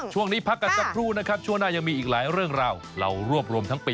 สวัสดีครับ